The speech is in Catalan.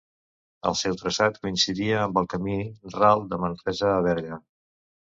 El seu traçat coincidia amb el camí Ral de Manresa a Berga.